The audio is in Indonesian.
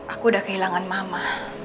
aku udah kehilangan mama